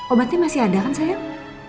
obatnya masih ada kan sayang